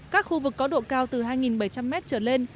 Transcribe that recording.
các khu vực có độ cao từ hai bảy trăm linh m trở lên